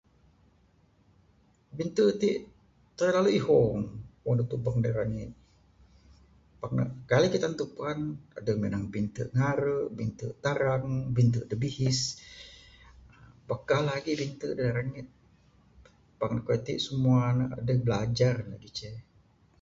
Binte ti telalu ihong wang dep tebuk dak rengit pak ne kai legi tentu puan. Adeh menang ngarem binte terang binte dak bihis pak kah legi binte dak rengit pak keyuh ti semua ne adeh belajar legi ceh.